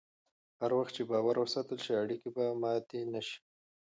هر وخت چې باور وساتل شي، اړیکې به ماتې نه شي.